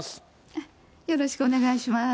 よろしくお願いします。